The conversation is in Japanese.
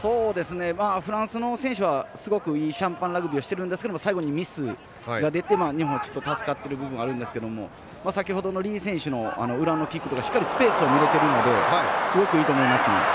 フランスの選手はすごくいいシャンパンラグビーをしてますが最後にミスが出て日本は助かっている部分があるんですけど先ほどの李選手の裏のキックとかスペースに入れているのですごくいいと思います。